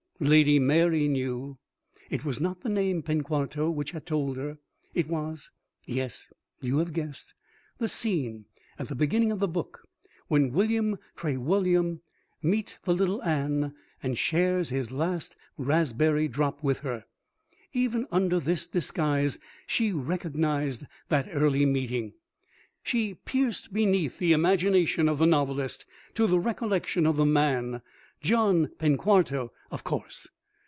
Lady Mary knew. It was not the name Penquarto which had told her; it was yes, you have guessed the scene at the beginning of the book, when William Trewulliam meets the little Anne and shares his last raspberry drop with her. Even under this disguise she recognized that early meeting. She pierced beneath the imagination of the novelist to the recollection of the man. John Penquarto of course!